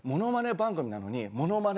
番組なのにモノマネ